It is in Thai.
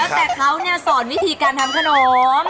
แต่เขาสอนวิธีการทำขนม